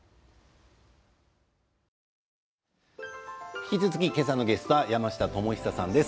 引き続き今朝のゲストは山下智久さんです。